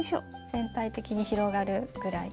全体的に広がるぐらい。